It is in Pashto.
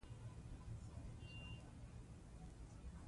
مېلې د ټولني د فرهنګي ودئ او پرمختګ لامل ګرځي.